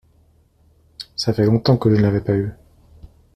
Ça fait longtemps que je ne l’avais pas vu.